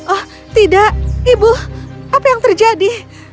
oh tidak ibu apa yang terjadi